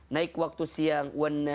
naik waktu siang